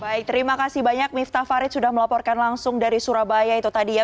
baik terima kasih banyak miftah farid sudah melaporkan langsung dari surabaya itu tadi ya